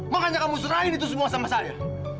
makanya kamu serahin itu semua sama saya